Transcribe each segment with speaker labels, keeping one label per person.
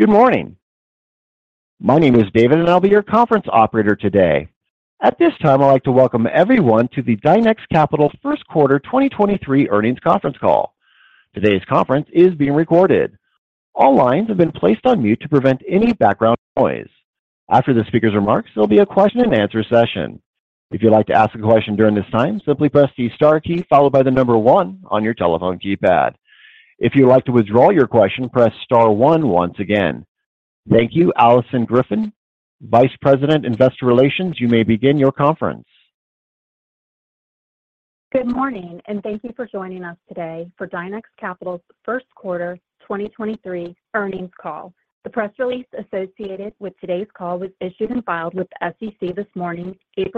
Speaker 1: Good morning. My name is David, I'll be your conference operator today. At this time, I'd like to welcome everyone to the Dynex Capital Q1 2023 Earnings Conference call. Today's conference is being recorded. All lines have been placed on mute to prevent any background noise. After the speaker's remarks, there'll be a question-and-answer session. If you'd like to ask a question during this time, simply press the star key followed by one on your telephone keypad. If you'd like to withdraw your question, press star one once again. Thank you. Alison Griffin, Vice President, Investor Relations, you may begin your conference.
Speaker 2: Good morning, and thank you for joining us today for Dynex Capital's Q1 2023 earnings call. The press release associated with today's call was issued and filed with the SEC this morning, 24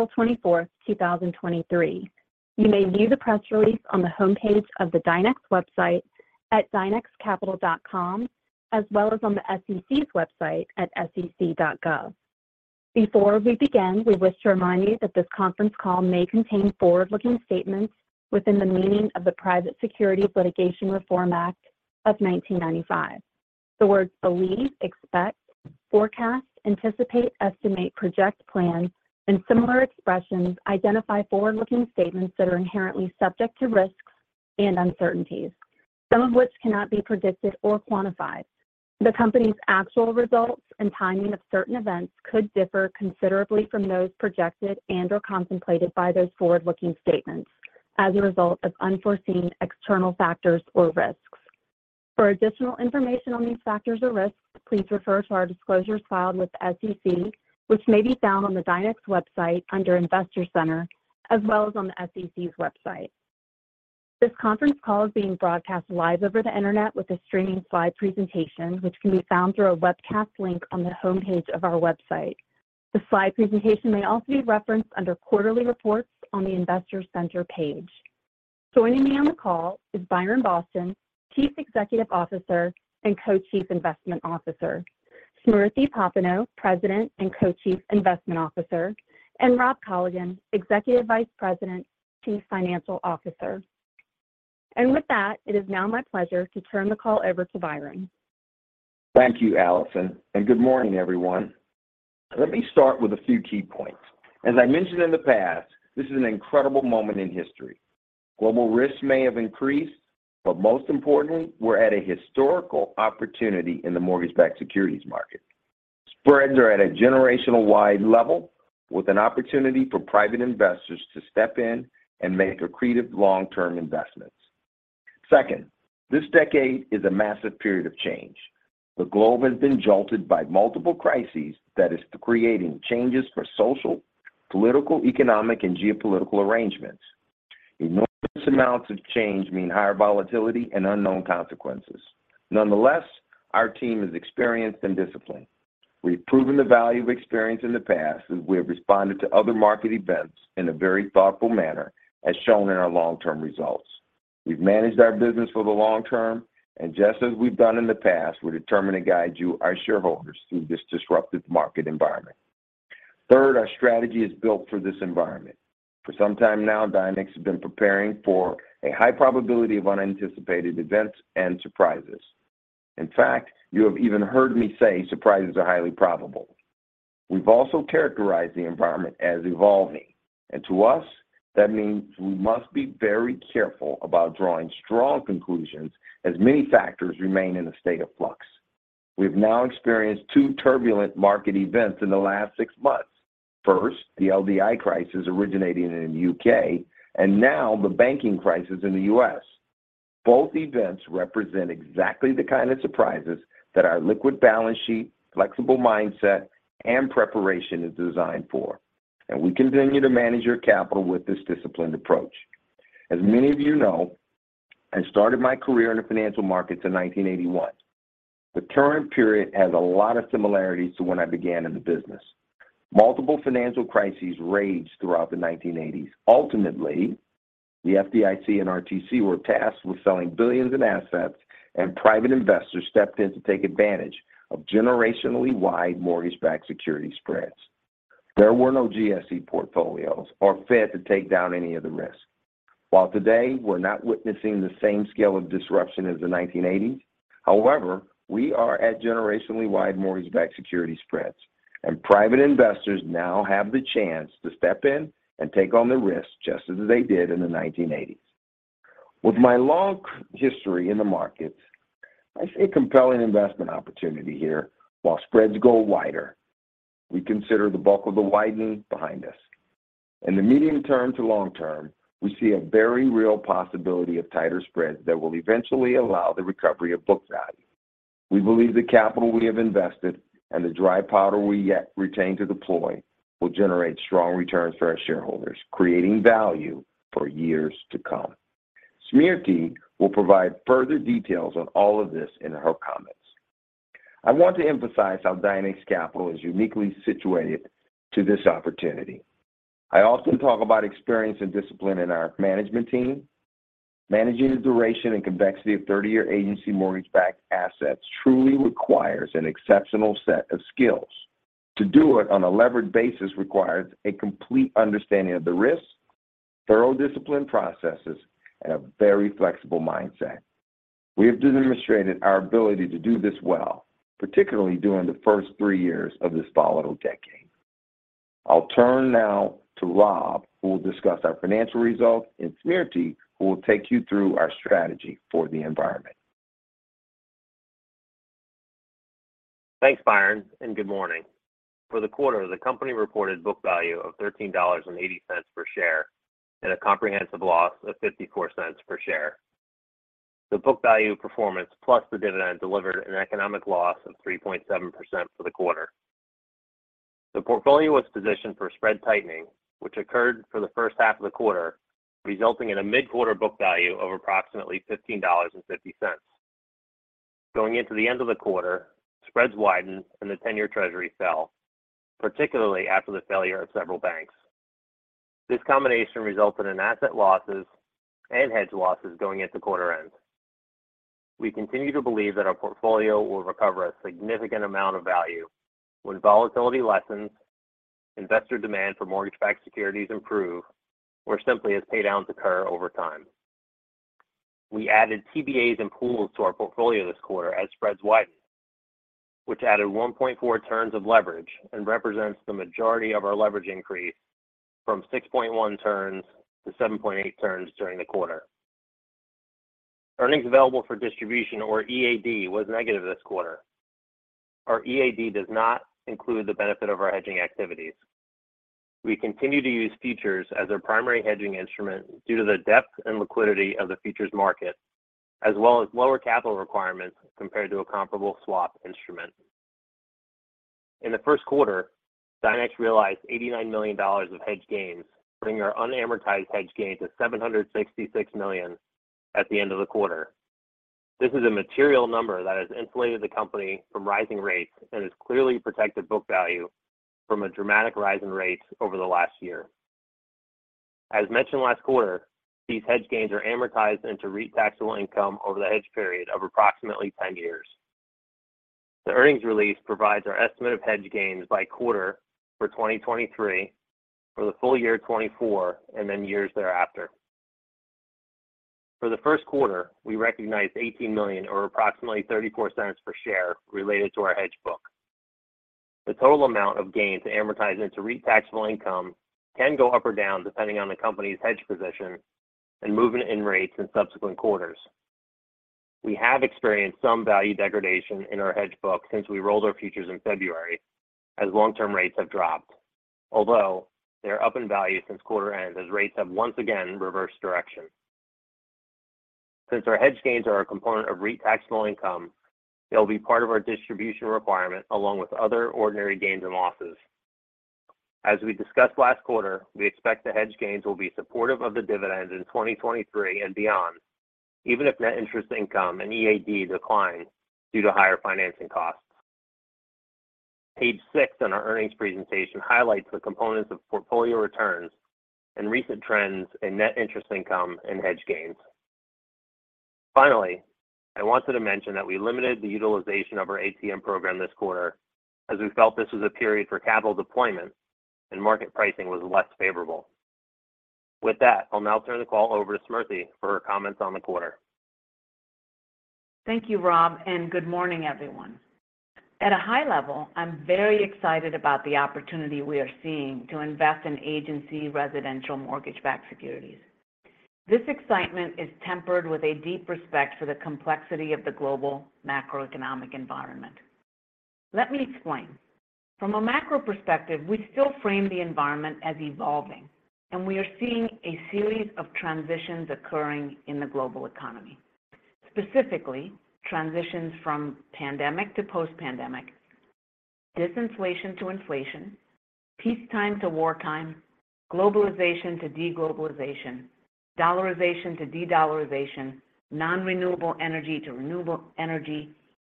Speaker 2: April 2023. You may view the press release on the homepage of the Dynex website at dynexcapital.com, as well as on the SEC's website at sec.gov. Before we begin, we wish to remind you that this conference call may contain forward-looking statements within the meaning of the Private Securities Litigation Reform Act of 1995. The words believe, expect, forecast, anticipate, estimate, project, plan and similar expressions identify forward-looking statements that are inherently subject to risks and uncertainties. Some of which cannot be predicted or quantified. The company's actual results and timing of certain events could differ considerably from those projected and/or contemplated by those forward-looking statements as a result of unforeseen external factors or risks. For additional information on these factors or risks, please refer to our disclosures filed with the SEC, which may be found on the Dynex website under Investor Center, as well as on the SEC's website. This conference call is being broadcast live over the Internet with a streaming slide presentation, which can be found through a webcast link on the homepage of our website. The slide presentation may also be referenced under Quarterly Reports on the Investor Center page. Joining me on the call is Byron Boston, Chief Executive Officer and Co-Chief Investment Officer, Smriti Popenoe, President and Co-Chief Investment Officer, and Robert Colligan, Executive Vice President, Chief Financial Officer. With that, it is now my pleasure to turn the call over to Byron.
Speaker 3: Thank you, Alison, and good morning, everyone. Let me start with a few key points. As I mentioned in the past, this is an incredible moment in history. Global risks may have increased, but most importantly, we're at a historical opportunity in the mortgage-backed securities market. Spreads are at a generational wide level with an opportunity for private investors to step in and make accretive long-term investments. Second, this decade is a massive period of change. The globe has been jolted by multiple crises that is creating changes for social, political, economic, and geopolitical arrangements. Enormous amounts of change mean higher volatility and unknown consequences. Nonetheless, our team is experienced and disciplined. We've proven the value of experience in the past as we have responded to other market events in a very thoughtful manner, as shown in our long-term results. We've managed our business for the long term, and just as we've done in the past, we're determined to guide you, our shareholders, through this disruptive market environment. Third, our strategy is built for this environment. For some time now, Dynex has been preparing for a high probability of unanticipated events and surprises. In fact, you have even heard me say surprises are highly probable. We've also characterized the environment as evolving, and to us, that means we must be very careful about drawing strong conclusions as many factors remain in a state of flux. We've now experienced two turbulent market events in the last 6 months. First, the LDI crisis originating in the U.K., and now the banking crisis in the U.S. Both events represent exactly the kind of surprises that our liquid balance sheet, flexible mindset, and preparation is designed for, and we continue to manage your capital with this disciplined approach. As many of you know, I started my career in the financial markets in 1981. The current period has a lot of similarities to when I began in the business. Multiple financial crises raged throughout the 1980s. Ultimately, the FDIC and RTC were tasked with selling billions in assets, and private investors stepped in to take advantage of generationally wide mortgage-backed security spreads. There were no GSE portfolios or Fed to take down any of the risk. While today we're not witnessing the same scale of disruption as the 1980s, however, we are at generationally wide mortgage-backed security spreads, and private investors now have the chance to step in and take on the risk just as they did in the 1980s. With my long history in the markets, I see a compelling investment opportunity here while spreads go wider. We consider the bulk of the widening behind us. In the medium-term to long-term, we see a very real possibility of tighter spreads that will eventually allow the recovery of book value. We believe the capital we have invested and the dry powder we yet retain to deploy will generate strong returns for our shareholders, creating value for years to come. Smriti will provide further details on all of this in her comments. I want to emphasize how Dynex Capital is uniquely situated to this opportunity. I often talk about experience and discipline in our management team. Managing the duration and complexity of 30-year agency mortgage-backed assets truly requires an exceptional set of skills. To do it on a levered basis requires a complete understanding of the risks. Thorough discipline processes and a very flexible mindset. We have demonstrated our ability to do this well, particularly during the first three years of this volatile decade. I'll turn now to Rob, who will discuss our financial results, and Smriti, who will take you through our strategy for the environment
Speaker 4: Thanks, Byron, and good morning. For the quarter, the company reported book value of $13.80 per share and a comprehensive loss of $0.54 per share. The book value performance plus the dividend delivered an economic loss of 3.7% for the quarter. The portfolio was positioned for spread tightening, which occurred for the H1 of the quarter, resulting in a mid-quarter book value of approximately $15.50. Going into the end of the quarter, spreads widened and the 10-year Treasury fell, particularly after the failure of several banks. This combination resulted in asset losses and hedge losses going into quarter end. We continue to believe that our portfolio will recover a significant amount of value when volatility lessens, investor demand for mortgage-backed securities improve, or simply as pay downs occur over time. We added TBAs and pools to our portfolio this quarter as spreads widened, which added 1.4 turns of leverage and represents the majority of our leverage increase from 6.1 turns to 7.8 turns during the quarter. Earnings available for distribution or EAD was negative this quarter. Our EAD does not include the benefit of our hedging activities. We continue to use features as our primary hedging instrument due to the depth and liquidity of the features market, as well as lower capital requirements compared to a comparable swap instrument. In the Q1, Dynex realized $89 million of hedge gains, bringing our unamortized hedge gain to $766 million at the end of the quarter. This is a material number that has insulated the company from rising rates and has clearly protected book value from a dramatic rise in rates over the last year. As mentioned last quarter, these hedge gains are amortized into REIT taxable income over the hedge period of approximately 10 years. The earnings release provides our estimate of hedge gains by quarter for 2023, for the full year 2024, and then years thereafter. For the Q1, we recognized $18 million or approximately $0.34 per share related to our hedge book. The total amount of gain to amortize into REIT taxable income can go up or down depending on the company's hedge position and movement in rates in subsequent quarters. We have experienced some value degradation in our hedge book since we rolled our futures in February as long-term rates have dropped. Although they are up in value since quarter end as rates have once again reversed direction. Since our hedge gains are a component of REIT taxable income, they will be part of our distribution requirement along with other ordinary gains and losses. As we discussed last quarter, we expect the hedge gains will be supportive of the dividend in 2023 and beyond, even if net interest income and EAD decline due to higher financing costs. Page six in our earnings presentation highlights the components of portfolio returns and recent trends in net interest income and hedge gains. Finally, I wanted to mention that we limited the utilization of our ATM program this quarter as we felt this was a period for capital deployment and market pricing was less favorable. With that, I'll now turn the call over to Smriti for her comments on the quarter.
Speaker 5: Thank you, Rob, and good morning, everyone. At a high level, I'm very excited about the opportunity we are seeing to invest in agency residential mortgage-backed securities. This excitement is tempered with a deep respect for the complexity of the global macroeconomic environment. Let me explain. From a macro perspective, we still frame the environment as evolving, and we are seeing a series of transitions occurring in the global economy. Specifically, transitions from pandemic to post-pandemic, disinflation to inflation, peacetime to wartime, globalization to de-globalization, dollarization to de-dollarization, non-renewable energy to renewable energy,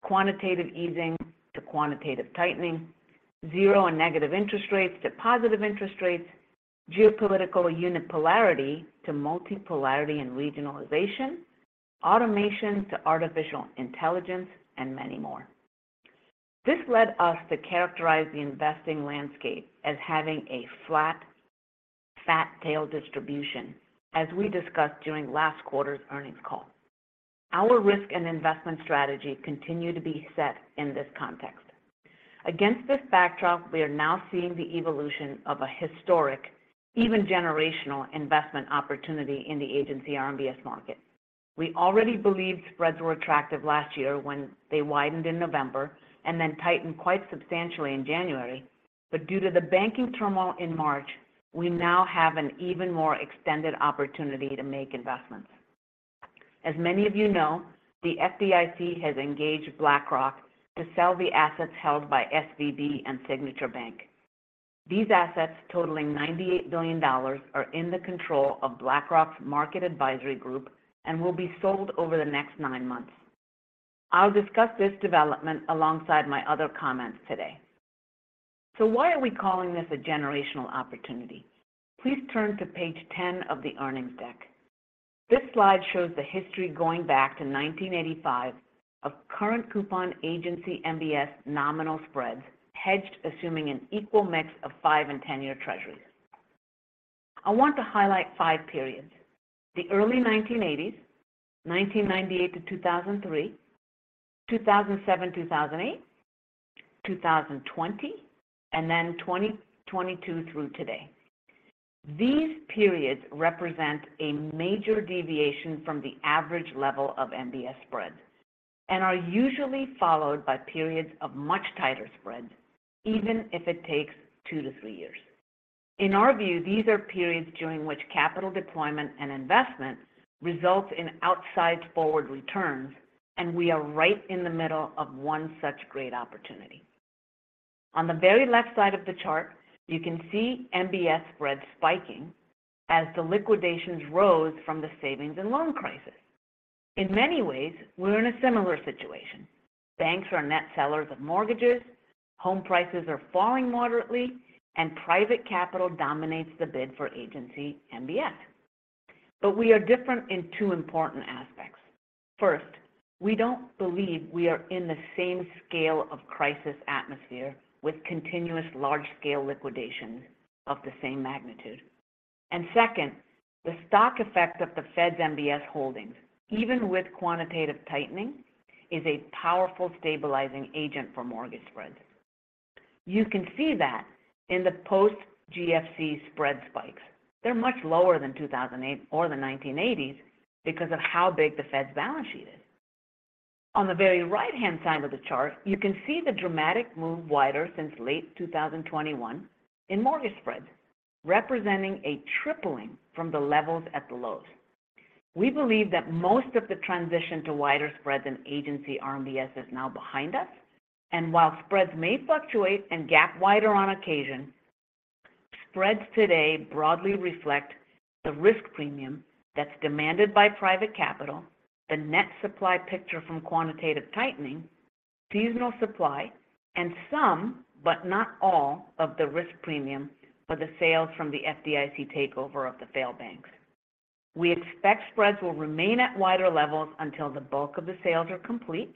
Speaker 5: quantitative easing to quantitative tightening, zero and negative interest rates to positive interest rates, geopolitical unipolarity to multipolarity and regionalization, automation to artificial intelligence, and many more. This led us to characterize the investing landscape as having a flat fat-tail distribution, as we discussed during last quarter's earnings call. Our risk and investment strategy continue to be set in this context. Against this backdrop, we are now seeing the evolution of a historic, even generational investment opportunity in the agency RMBS market. We already believe spreads were attractive last year when they widened in November and then tightened quite substantially in January. Due to the banking turmoil in March, we now have an even more extended opportunity to make investments. As many of you know, the FDIC has engaged BlackRock to sell the assets held by SVB and Signature Bank. These assets, totaling $98 billion, are in the control of BlackRock's Market Advisory Group and will be sold over the next nine months. I'll discuss this development alongside my other comments today. Why are we calling this a generational opportunity? Please turn to page 10 of the earnings deck. This slide shows the history going back to 1985 of current coupon agency MBS nominal spreads hedged assuming an equal mix of five and 10 year treasuries. I want to highlight five periods. The early 1980s, 1998-2003, 2007, 2008, 2020, 2022 through today. These periods represent a major deviation from the average level of MBS spreads and are usually followed by periods of much tighter spreads, even if it takes two to three years. In our view, these are periods during which capital deployment and investment results in outsized forward returns, and we are right in the middle of one such great opportunity. On the very left side of the chart, you can see MBS spreads spiking as the liquidations rose from the savings and loan crisis. In many ways, we're in a similar situation. Banks are net sellers of mortgages, home prices are falling moderately, private capital dominates the bid for agency MBS. We are different in two important aspects. First, we don't believe we are in the same scale of crisis atmosphere with continuous large-scale liquidations of the same magnitude. Second, the stock effect of the Fed's MBS holdings, even with quantitative tightening, is a powerful stabilizing agent for mortgage spreads. You can see that in the post GFC spread spikes. They're much lower than 2008 or the 1980s because of how big the Fed's balance sheet is. On the very right-hand side of the chart, you can see the dramatic move wider since late 2021 in mortgage spreads, representing a tripling from the levels at the lows. We believe that most of the transition to wider spreads in agency RMBS is now behind us. While spreads may fluctuate and gap wider on occasion, spreads today broadly reflect the risk premium that's demanded by private capital, the net supply picture from quantitative tightening, seasonal supply, and some but not all of the risk premium for the sales from the FDIC takeover of the failed banks. We expect spreads will remain at wider levels until the bulk of the sales are complete,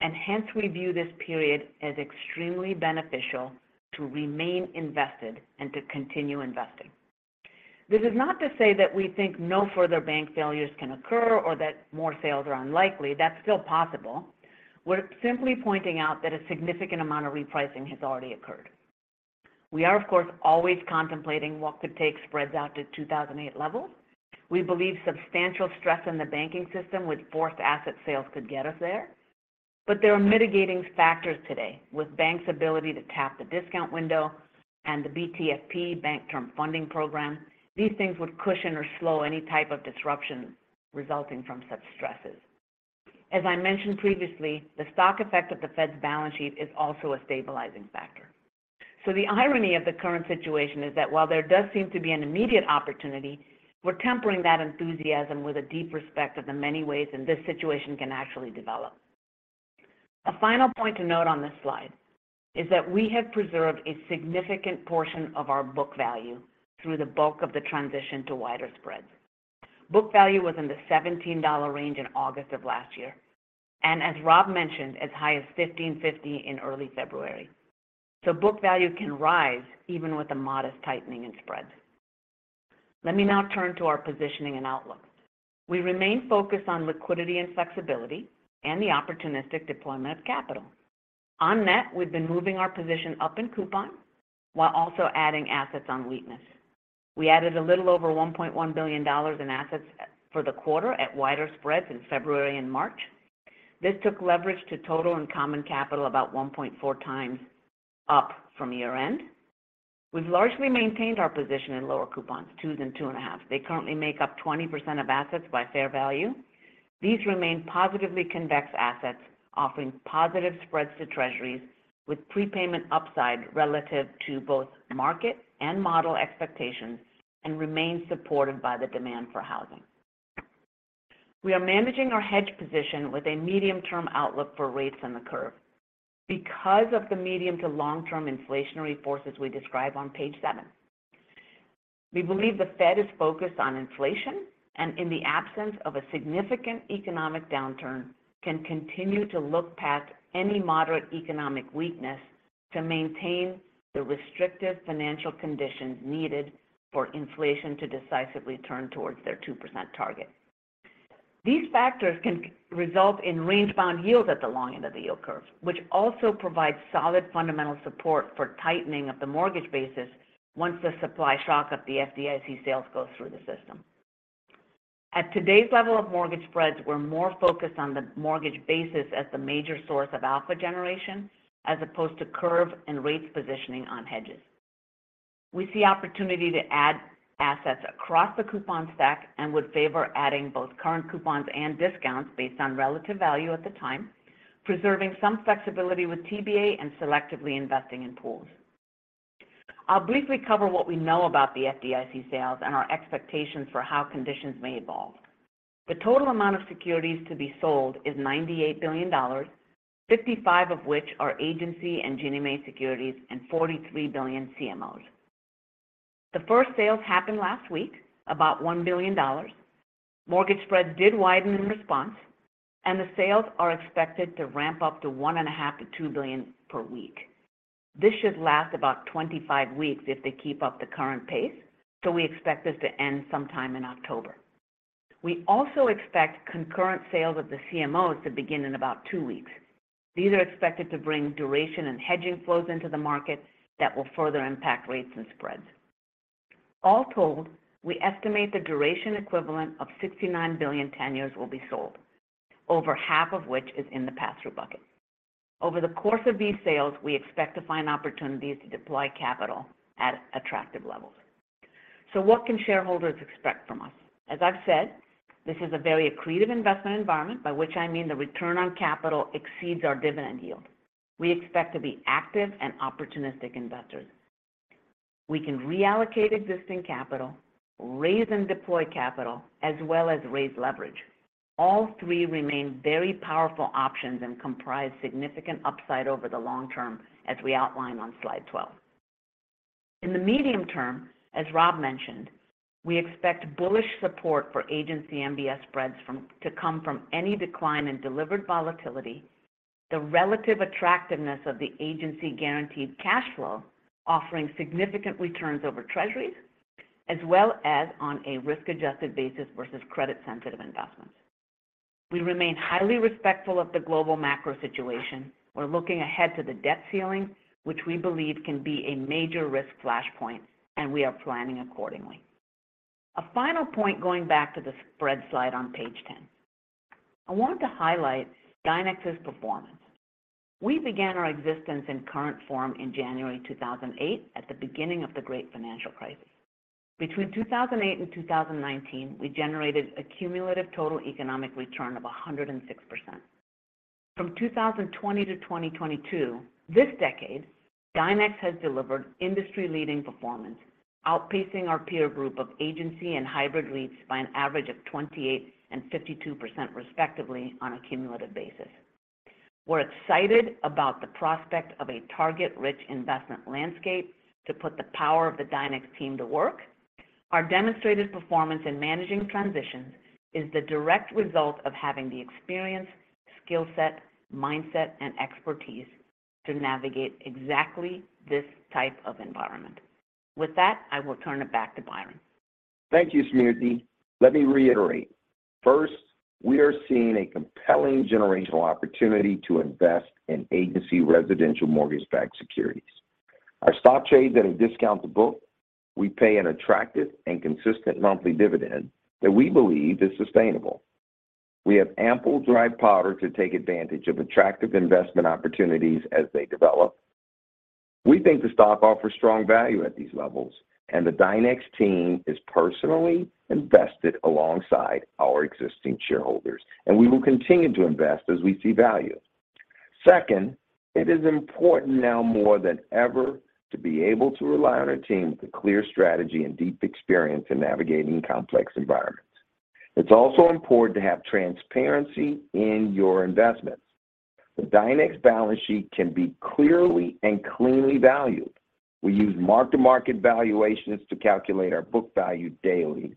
Speaker 5: and hence we view this period as extremely beneficial to remain invested and to continue investing. This is not to say that we think no further bank failures can occur or that more sales are unlikely. That's still possible. We're simply pointing out that a significant amount of repricing has already occurred. We are of course always contemplating what could take spreads out to 2008 levels. We believe substantial stress in the banking system with forced asset sales could get us there. There are mitigating factors today with banks' ability to tap the discount window and the BTFP, Bank Term Funding Program. These things would cushion or slow any type of disruption resulting from such stresses. As I mentioned previously, the stock effect of the Fed's balance sheet is also a stabilizing factor. The irony of the current situation is that while there does seem to be an immediate opportunity, we're tempering that enthusiasm with a deep respect of the many ways in this situation can actually develop. A final point to note on this slide is that we have preserved a significant portion of our book value through the bulk of the transition to wider spreads. Book value was in the $17 range in August of last year, and as Rob mentioned, as high as $15.50 in early February. Book value can rise even with a modest tightening in spreads. Let me now turn to our positioning and outlook. We remain focused on liquidity and flexibility and the opportunistic deployment of capital. On net, we've been moving our position up in coupon while also adding assets on weakness. We added a little over $1.1 billion in assets for the quarter at wider spreads in February and March. This took leverage to total and common capital about 1.4 times up from year-end. We've largely maintained our position in lower coupons, twos and two and a half. They currently make up 20% of assets by fair value. These remain positively convex assets, offering positive spreads to treasuries with prepayment upside relative to both market and model expectations and remain supported by the demand for housing. We are managing our hedge position with a medium-term outlook for rates in the curve because of the medium to long-term inflationary forces we describe on page seven. We believe the Fed is focused on inflation, and in the absence of a significant economic downturn, can continue to look past any moderate economic weakness to maintain the restrictive financial conditions needed for inflation to decisively turn towards their 2% target. These factors can result in range-bound yields at the long end of the yield curve, which also provides solid fundamental support for tightening of the mortgage basis once the supply shock of the FDIC sales goes through the system. At today's level of mortgage spreads, we're more focused on the mortgage basis as the major source of alpha generation as opposed to curve and rates positioning on hedges. We see opportunity to add assets across the coupon stack and would favor adding both current coupons and discounts based on relative value at the time, preserving some flexibility with TBA and selectively investing in pools. I'll briefly cover what we know about the FDIC sales and our expectations for how conditions may evolve. The total amount of securities to be sold is $98 billion. 55 of which are agency and Ginnie Mae securities and $43 billion CMOs. The first sales happened last week, about $1 billion. Mortgage spreads did widen in response. The sales are expected to ramp up to $1.5 billion-$2 billion per week. This should last about 25 weeks if they keep up the current pace. We expect this to end sometime in October. We also expect concurrent sales of the CMOs to begin in about two weeks. These are expected to bring duration and hedging flows into the market that will further impact rates and spreads. All told, we estimate the duration equivalent of $69 billion 10 years will be sold, over half of which is in the pass-through bucket. Over the course of these sales, we expect to find opportunities to deploy capital at attractive levels. What can shareholders expect from us? As I've said, this is a very accretive investment environment by which I mean the return on capital exceeds our dividend yield. We expect to be active and opportunistic investors. We can reallocate existing capital, raise and deploy capital, as well as raise leverage. All three remain very powerful options and comprise significant upside over the long term as we outline on slide 12. In the medium term, as Rob mentioned, we expect bullish support for agency MBS spreads to come from any decline in delivered volatility, the relative attractiveness of the agency-guaranteed cash flow offering significant returns over treasuries, as well as on a risk-adjusted basis versus credit-sensitive investments. We remain highly respectful of the global macro situation. We're looking ahead to the debt ceiling, which we believe can be a major risk flashpoint. We are planning accordingly. A final point going back to the spread slide on page 10. I want to highlight Dynex's performance. We began our existence in current form in January 2008 at the beginning of the Great Financial Crisis. Between 2008 and 2019, we generated a cumulative total economic return of 106%. From 2020 to 2022, this decade, Dynex has delivered industry-leading performance, outpacing our peer group of agency and hybrid REITs by an average of 28% and 52% respectively on a cumulative basis. We're excited about the prospect of a target-rich investment landscape to put the power of the Dynex team to work. Our demonstrated performance in managing transitions is the direct result of having the experience, skill set, mindset, and expertise to navigate exactly this type of environment. With that, I will turn it back to Byron.
Speaker 3: Thank you, Smriti. Let me reiterate. First, we are seeing a compelling generational opportunity to invest in agency residential mortgage-backed securities. Our stock trades at a discount to book. We pay an attractive and consistent monthly dividend that we believe is sustainable. We have ample dry powder to take advantage of attractive investment opportunities as they develop. We think the stock offers strong value at these levels. The Dynex team is personally invested alongside our existing shareholders. We will continue to invest as we see value. Second, it is important now more than ever to be able to rely on our team with a clear strategy and deep experience in navigating complex environments. It's also important to have transparency in your investments. The Dynex balance sheet can be clearly and cleanly valued. We use mark-to-market valuations to calculate our book value daily.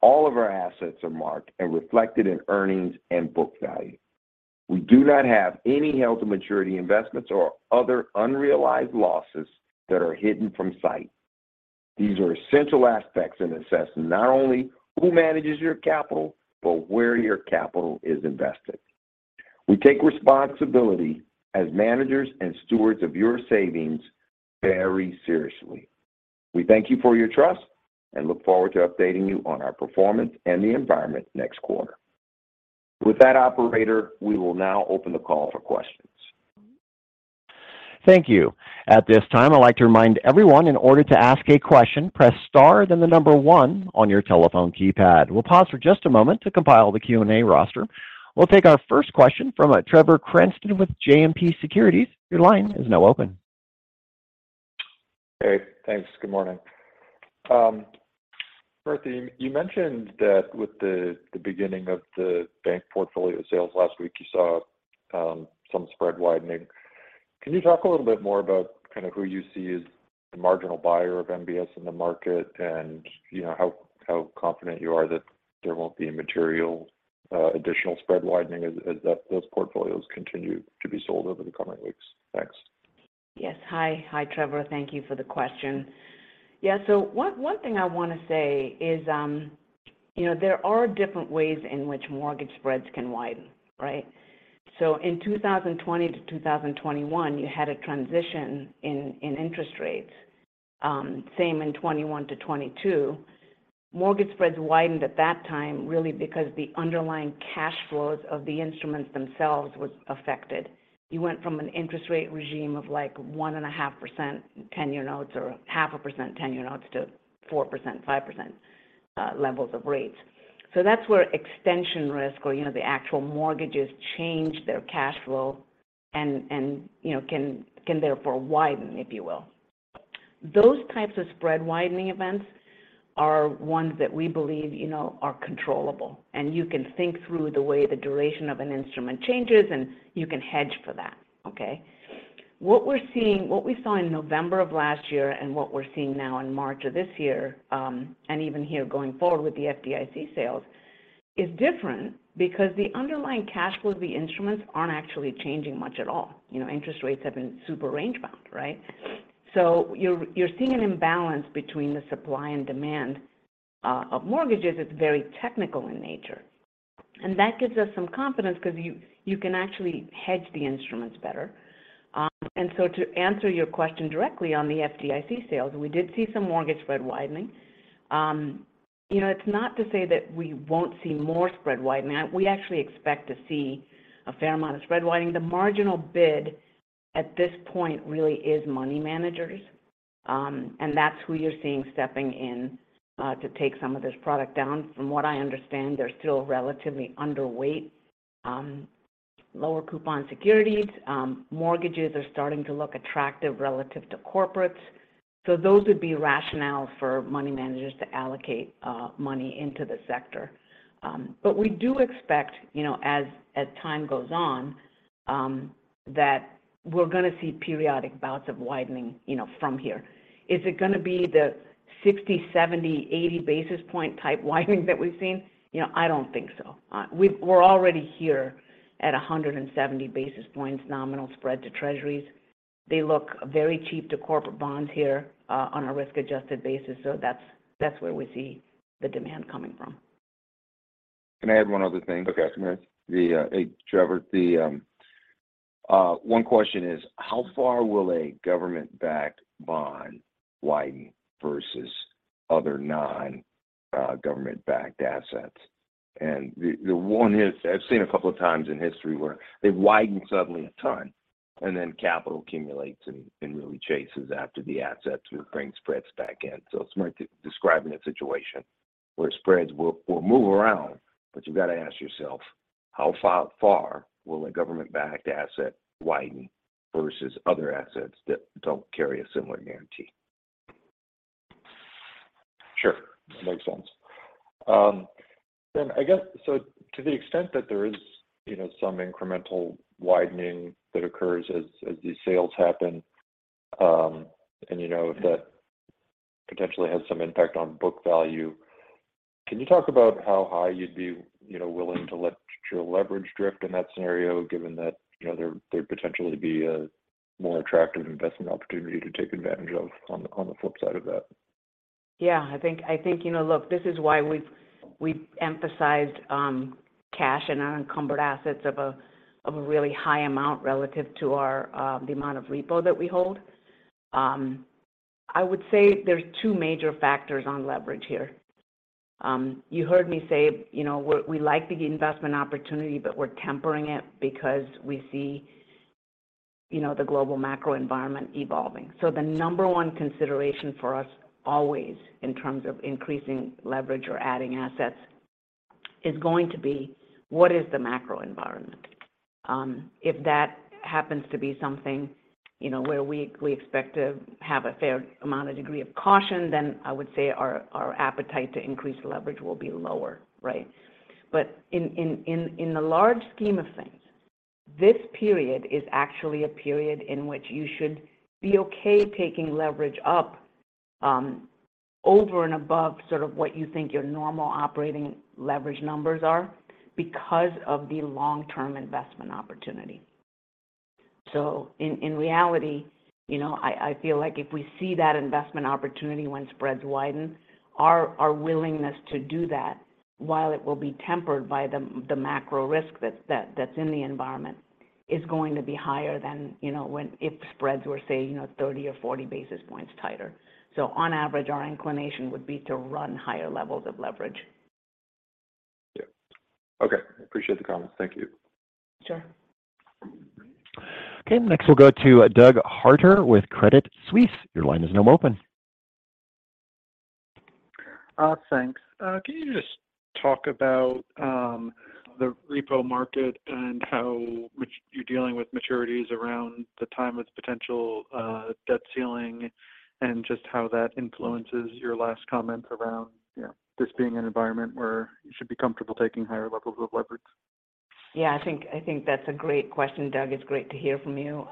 Speaker 3: All of our assets are marked and reflected in earnings and book value. We do not have any held-to-maturity investments or other unrealized losses that are hidden from sight. These are essential aspects in assessing not only who manages your capital, but where your capital is invested. We take responsibility as managers and stewards of your savings very seriously. We thank you for your trust and look forward to updating you on our performance and the environment next quarter. With that operator, we will now open the call for questions.
Speaker 1: Thank you. At this time, I'd like to remind everyone in order to ask a question, press star then the number 1 on your telephone keypad. We'll pause for just a moment to compile the Q&A roster. We'll take our first question from Trevor Cranston with JMP Securities. Your line is now open.
Speaker 5: Yes. Hi, Trevor. Thank you for the question. Yeah. One thing I want to say is, you know, there are different ways in which mortgage spreads can widen, right? In 2020-2021, you had a transition in interest rates. Same in 2021-2022. Mortgage spreads widened at that time really because the underlying cash flows of the instruments themselves was affected. You went from an interest rate regime of like 1.5% 10-year notes or 0.5% 10-year notes to 4%, 5% levels of rates. That's where extension risk or, you know, the actual mortgages change their cash flow and, you know, can therefore widen, if you will. Those types of spread widening events are ones that we believe, you know, are controllable. You can think through the way the duration of an instrument changes, and you can hedge for that. Okay? What we saw in November of last year and what we're seeing now in March of this year, and even here going forward with the FDIC sales is different because the underlying cash flow of the instruments aren't actually changing much at all. You know, interest rates have been super range-bound, right? You're seeing an imbalance between the supply and demand of mortgages. It's very technical in nature, that gives us some confidence 'cause you can actually hedge the instruments better. To answer your question directly on the FDIC sales, we did see some mortgage spread widening. You know, it's not to say that we won't see more spread widening. We actually expect to see a fair amount of spread widening. The marginal bid at this point really is money managers, That's who you're seeing stepping in to take some of this product down. From what I understand, they're still relatively underweight lower coupon securities. Mortgages are starting to look attractive relative to corporates. Those would be rationales for money managers to allocate money into the sector. We do expect, you know, as time goes on, that we're gonna see periodic bouts of widening, you know, from here. Is it gonna be the 60, 70, 80 basis point type widening that we've seen? You know, I don't think so. We're already here at 170 basis points nominal spread to treasuries. They look very cheap to corporate bonds here on a risk-adjusted basis. That's where we see the demand coming from.
Speaker 3: Can I add one other thing?
Speaker 6: Okay, go ahead.
Speaker 3: Hey, Trevor. One question is, how far will a government-backed bond widen versus other non-government-backed assets? The one is I've seen a couple of times in history where they widen suddenly a ton, and then capital accumulates and really chases after the assets, which brings spreads back in. It's worth describing a situation where spreads will move around, but you've got to ask yourself, how far will a government-backed asset widen versus other assets that don't carry a similar guarantee?
Speaker 6: Sure. That makes sense. I guess, to the extent that there is, you know, some incremental widening that occurs as these sales happen, and you know that potentially has some impact on book value, can you talk about how high you'd be, you know, willing to let your leverage drift in that scenario given that, you know, there'd potentially be a more attractive investment opportunity to take advantage of on the, on the flip side of that?
Speaker 5: Yeah. I think, you know, look, this is why we've emphasized cash and unencumbered assets of a really high amount relative to our the amount of repo that we hold. I would say there's two major factors on leverage here. You heard me say, you know, we like the investment opportunity, but we're tempering it because we see, you know, the global macro environment evolving. The number one consideration for us always in terms of increasing leverage or adding assets is going to be what is the macro environment. If that happens to be something, you know, where we expect to have a fair amount of degree of caution, I would say our appetite to increase leverage will be lower, right? In the large scheme of things, this period is actually a period in which you should be okay taking leverage up, over and above sort of what you think your normal operating leverage numbers are because of the long-term investment opportunity. In reality, you know, I feel like if we see that investment opportunity when spreads widen, our willingness to do that while it will be tempered by the macro risk that's in the environment, is going to be higher than, you know, when if spreads were say, you know, 30 or 40 basis points tighter. On average, our inclination would be to run higher levels of leverage.
Speaker 6: Yeah. Okay. Appreciate the comments. Thank you.
Speaker 5: Sure.
Speaker 1: Okay, next we'll go to Doug Harter with Credit Suisse. Your line is now open.
Speaker 7: Thanks. Can you just talk about the repo market and how much you're dealing with maturities around the time of potential debt ceiling and just how that influences your last comment around, you know, this being an environment where you should be comfortable taking higher levels of leverage?
Speaker 5: Yeah, I think that's a great question, Doug. It's great to hear from you.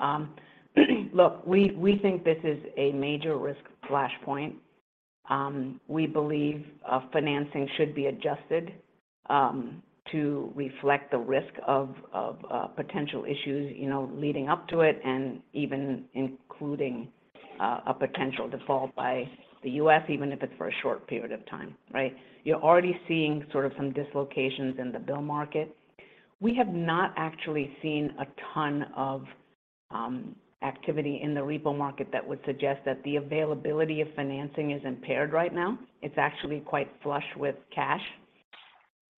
Speaker 5: Look, we think this is a major risk flashpoint. We believe financing should be adjusted to reflect the risk of potential issues, you know, leading up to it and even including a potential default by the US, even if it's for a short period of time, right? You're already seeing sort of some dislocations in the bill market. We have not actually seen a ton of activity in the repo market that would suggest that the availability of financing is impaired right now. It's actually quite flush with cash.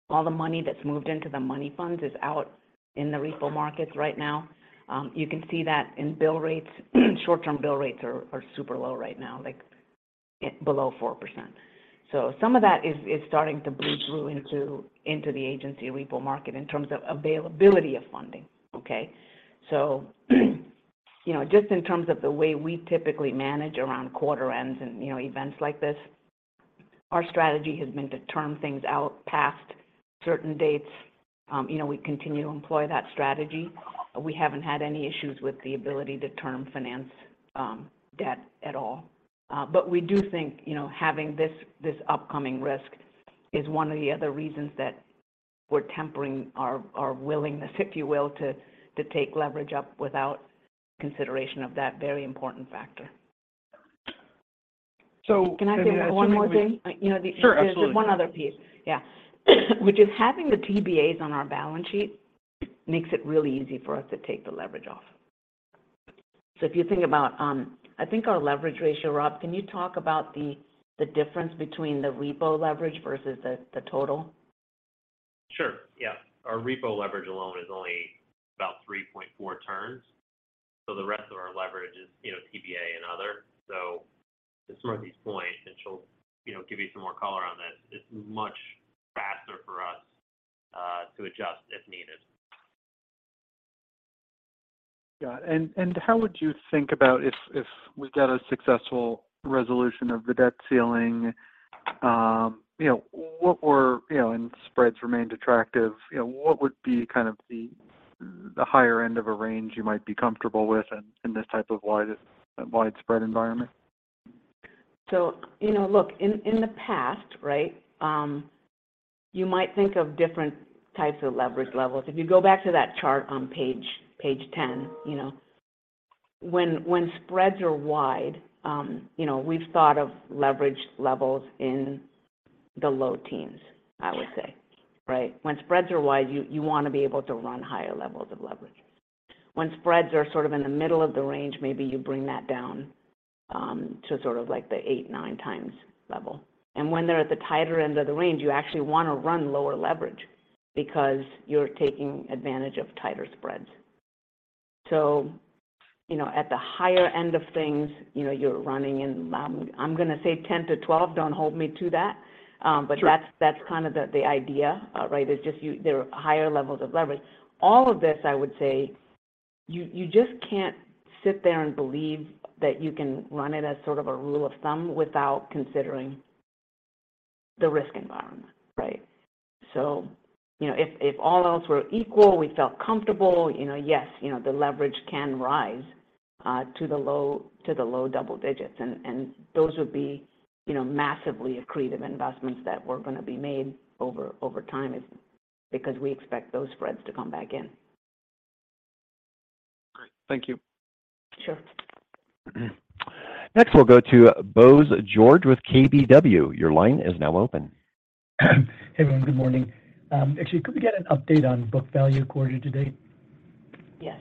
Speaker 5: All the money that's moved into the money funds is out in the repo markets right now. You can see that in bill rates. Short-term bill rates are super low right now. Below 4%. Some of that is starting to bleed through into the agency repo market in terms of availability of funding. Okay? You know, just in terms of the way we typically manage around quarter ends and, you know, events like this, our strategy has been to term things out past certain dates. You know, we continue to employ that strategy. We haven't had any issues with the ability to term finance debt at all. We do think, you know, having this upcoming risk is one of the other reasons that we're tempering our willingness, if you will, to take leverage up without consideration of that very important factor.
Speaker 7: So-
Speaker 5: Can I say one more thing?
Speaker 4: Sure. Absolutely.
Speaker 5: You know, there's one other piece. Yeah. Which is having the TBAs on our balance sheet makes it really easy for us to take the leverage off. If you think about, I think our leverage ratio, Rob, can you talk about the difference between the repo leverage versus the total?
Speaker 4: Sure, yeah. Our repo leverage alone is only about 3.4 turns, so the rest of our leverage is, you know, TBA and other. To Smriti's point, and she'll, you know, give you some more color on this, it's much faster for us to adjust if needed.
Speaker 7: Got it. How would you think about if we get a successful resolution of the debt ceiling, you know, and spreads remained attractive, you know, what would be kind of the higher end of a range you might be comfortable with in this type of widest, widespread environment?
Speaker 5: You know, look, in the past, right, you might think of different types of leverage levels. If you go back to that chart on page 10, you know, when spreads are wide, you know, we've thought of leverage levels in the low teens, I would say. Right? When spreads are wide, you wanna be able to run higher levels of leverage. When spreads are sort of in the middle of the range, maybe you bring that down to sort of like the eight, nine times level. When they're at the tighter end of the range, you actually wanna run lower leverage because you're taking advantage of tighter spreads. You know, at the higher end of things, you know, you're running in, I'm gonna say 10 to 12. Don't hold me to that.
Speaker 7: Sure.
Speaker 5: That's kind of the idea, right, is just you. There are higher levels of leverage. All of this, I would say, you just can't sit there and believe that you can run it as sort of a rule of thumb without considering the risk environment, right? You know, if all else were equal, we felt comfortable, you know, yes, you know, the leverage can rise to the low double digits and those would be, you know, massively accretive investments that were gonna be made over time is because we expect those spreads to come back in.
Speaker 7: Great. Thank you.
Speaker 5: Sure.
Speaker 1: Next, we'll go to Bose George with KBW. Your line is now open.
Speaker 8: Hey, everyone, good morning. Actually, could we get an update on book value quarter to date?
Speaker 5: Yes.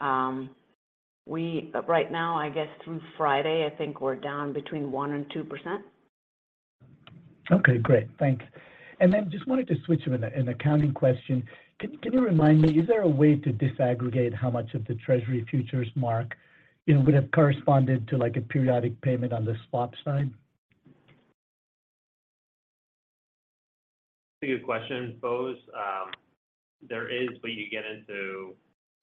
Speaker 5: right now, I guess through Friday, I think we're down between 1% and 2%.
Speaker 8: Okay, great. Thanks. Just wanted to switch to an accounting question. Can you remind me, is there a way to disaggregate how much of the treasury futures mark, you know, would have corresponded to like a periodic payment on the swap side?
Speaker 4: Good question, Bose. There is, but you get into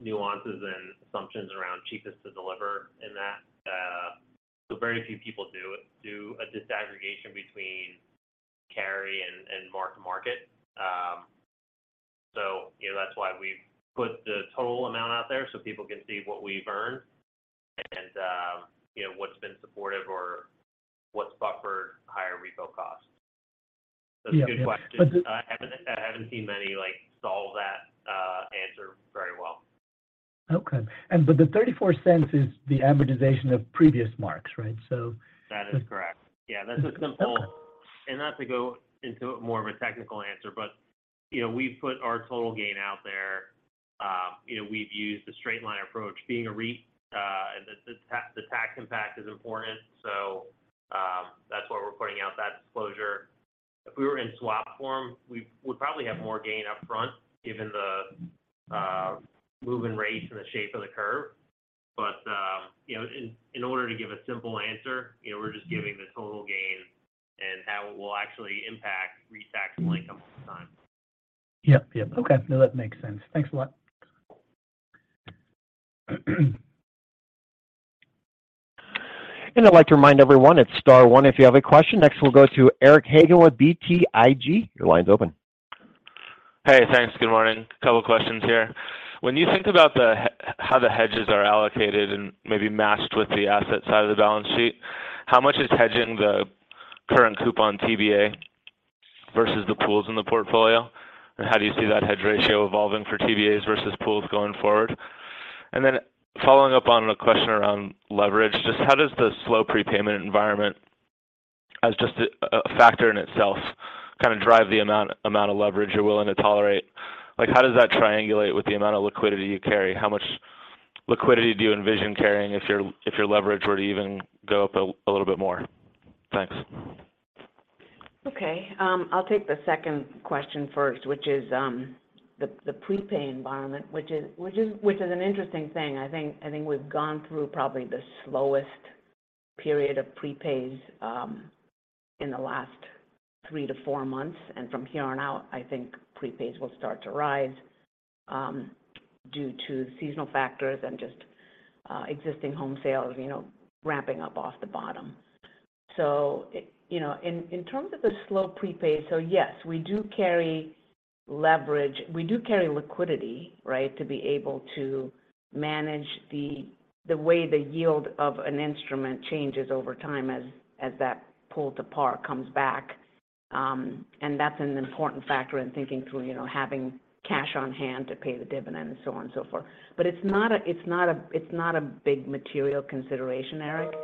Speaker 4: nuances and assumptions around cheapest to deliver in that. Very few people do a disaggregation between carry and mark-to-market. You know, that's why we've put the total amount out there so people can see what we've earned and, you know, what's been supportive or what's buffered higher repo costs.
Speaker 8: Yeah. Yeah.
Speaker 4: It's a good question. I haven't seen many like solve that, answer very well.
Speaker 8: Okay. The $0.34 is the amortization of previous marks, right?
Speaker 4: That is correct. Yeah. That's a simple-
Speaker 8: Okay.
Speaker 4: Not to go into more of a technical answer, but you know, we've put our total gain out there. You know, we've used the straight line approach. Being a REIT, and the tax impact is important, so that's why we're putting out that disclosure. If we were in swap form, we would probably have more gain up front given the moving rates and the shape of the curve. You know, in order to give a simple answer, you know, we're just giving the total gain and how it will actually impact REIT tax and income this time.
Speaker 8: Yep. Yep. Okay. No, that makes sense. Thanks a lot.
Speaker 1: I'd like to remind everyone it's star one if you have a question. Next, we'll go to Eric Hagen with BTIG. Your line's open.
Speaker 9: Thanks. Good morning. A couple questions here. When you think about how the hedges are allocated and maybe matched with the asset side of the balance sheet, how much is hedging the current coupon TBA versus the pools in the portfolio? How do you see that hedge ratio evolving for TBAs versus pools going forward? Following up on a question around leverage, just how does the slow prepayment environment, as just a factor in itself, kind of drive the amount of leverage you're willing to tolerate? How does that triangulate with the amount of liquidity you carry? How much liquidity do you envision carrying if your leverage were to even go up a little bit more? Thanks.
Speaker 5: Okay. I'll take the second question first, which is the prepay environment, which is an interesting thing, I think. I think we've gone through probably the slowest period of prepays in the last three to four months, and from here on out, I think prepays will start to rise due to seasonal factors and just existing home sales, you know, ramping up off the bottom. You know, in terms of the slow prepay, yes, we do carry leverage. We do carry liquidity, right, to be able to manage the way the yield of an instrument changes over time as that pull to par comes back. That's an important factor in thinking through, you know, having cash on hand to pay the dividend and so on and so forth. It's not a big material consideration, Eric.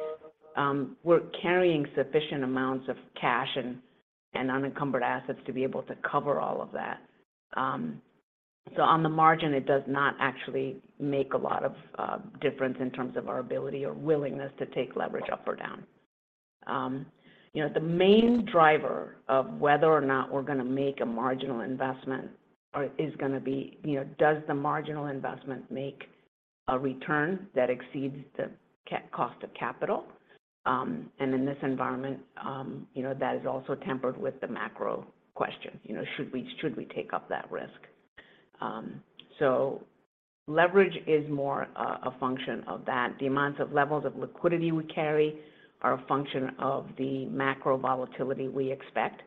Speaker 5: We're carrying sufficient amounts of cash and unencumbered assets to be able to cover all of that. On the margin, it does not actually make a lot of difference in terms of our ability or willingness to take leverage up or down. You know, the main driver of whether or not we're gonna make a marginal investment or is gonna be, you know, does the marginal investment make a return that exceeds the cost of capital? In this environment, you know, that is also tempered with the macro question, you know, should we, should we take up that risk? Leverage is more a function of that. The amounts of levels of liquidity we carry are a function of the macro volatility we expect.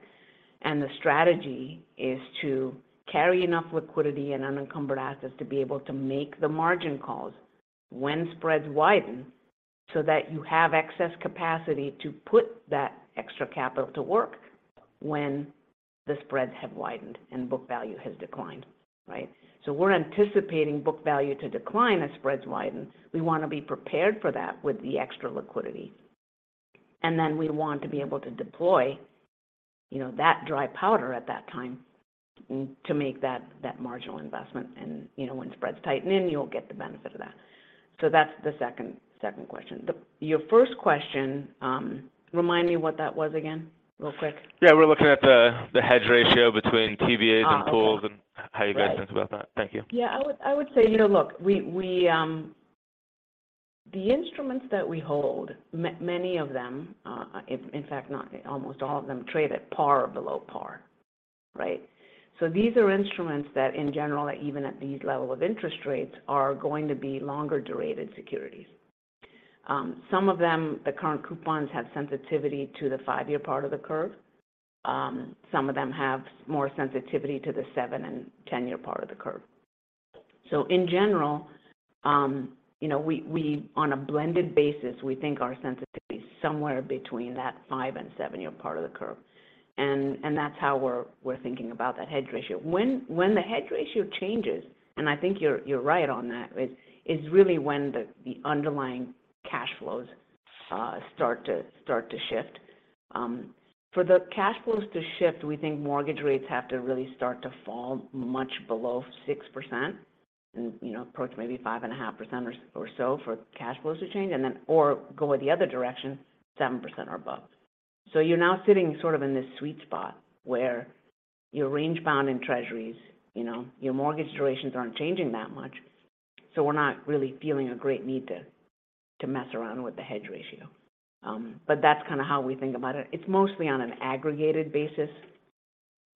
Speaker 5: The strategy is to carry enough liquidity and unencumbered assets to be able to make the margin calls when spreads widen so that you have excess capacity to put that extra capital to work when the spreads have widened and book value has declined, right? We're anticipating book value to decline as spreads widen. We wanna be prepared for that with the extra liquidity. Then we want to be able to deploy, you know, that dry powder at that time to make that marginal investment. When spreads tighten in, you'll get the benefit of that. That's the second question. Your first question, remind me what that was again real quick.
Speaker 9: Yeah. We're looking at the hedge ratio between TBAs-
Speaker 5: Oh, okay.
Speaker 9: -and pools, and how you guys-
Speaker 5: Right.
Speaker 9: Think about that. Thank you.
Speaker 5: Yeah. I would say, you know, look, we. The instruments that we hold, many of them, in fact, almost all of them trade at par or below par, right? These are instruments that in general, even at these level of interest rates, are going to be longer-durated securities. Some of them, the current coupons have sensitivity to the five-year part of the curve. Some of them have more sensitivity to the seven and 10-year part of the curve. In general, you know, we on a blended basis, we think our sensitivity is somewhere between that five and seven-year part of the curve. That's how we're thinking about that hedge ratio. When the hedge ratio changes, and I think you're right on that, is really when the underlying cash flows start to shift. For the cash flows to shift, we think mortgage rates have to really start to fall much below 6% and, you know, approach maybe 5.5% or so for cash flows to change or go the other direction, 7% or above. You're now sitting sort of in this sweet spot where you're range bound in treasuries, you know, your mortgage durations aren't changing that much, so we're not really feeling a great need to mess around with the hedge ratio. That's kinda how we think about it. It's mostly on an aggregated basis.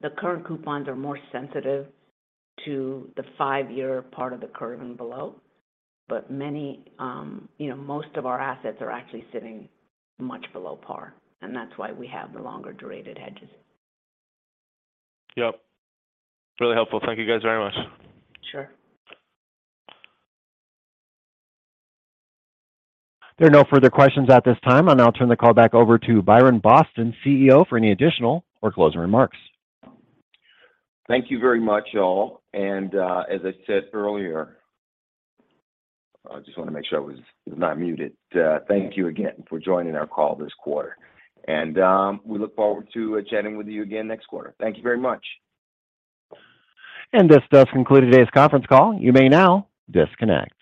Speaker 5: The current coupons are more sensitive to the five-year part of the curve and below, but many, you know, most of our assets are actually sitting much below par, and that's why we have the longer-durated hedges.
Speaker 9: Yep. Really helpful. Thank you guys very much.
Speaker 5: Sure.
Speaker 1: There are no further questions at this time. I'll now turn the call back over to Byron Boston, CEO, for any additional or closing remarks.
Speaker 3: Thank you very much, all. As I said earlier I just wanna make sure I was not muted. Thank you again for joining our call this quarter. We look forward to chatting with you again next quarter. Thank you very much.
Speaker 1: This does conclude today's conference call. You may now disconnect.